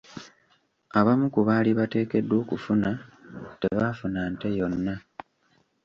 Abamu ku baali bateekeddwa okufuna tebaafuna nte yonna.